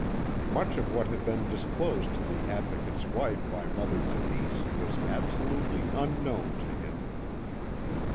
Much of what had been disclosed to the Advocate's wife by Mother Denise was absolutely unknown to him.